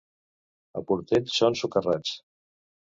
A Portell són socarrats.